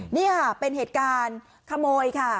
นี่ค่ะเป็นเหตุการณ์ขโมยค่ะ